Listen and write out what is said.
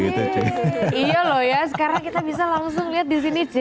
iya loh ya sekarang kita bisa langsung lihat disini